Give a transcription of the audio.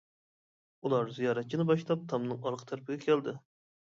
ئۇلار زىيارەتچىنى باشلاپ تامنىڭ ئارقا تەرىپىگە كەلدى.